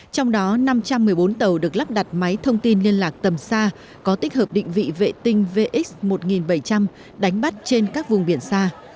trong đó năm trăm một mươi bốn tàu được lắp đặt máy thông tin liên lạc tầm xa có tích hợp định vị vệ tinh vx một nghìn bảy trăm linh đánh bắt trên các vùng biển xa